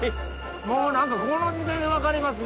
もう何かこの時点で分かりますね。